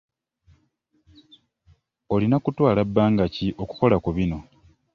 Olina kutwala bbanga ki okukola ku bino?